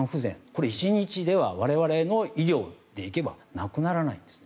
これは１日では我々の医療で行けば亡くならないんです。